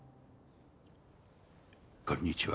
こんにちは。